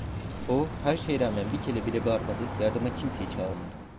O, her şeye rağmen bir kere bile bağırmadı, yardıma kimseyi çağırmadı.